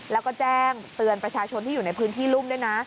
แล้วก็แจ้งเตือนประชาชนที่อยู่ในพื้นที่รุ่มด้วยนะ